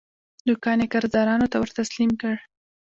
دوکان یې قرضدارانو ته ورتسلیم کړ.